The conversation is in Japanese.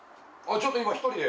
ちょっと今１人で。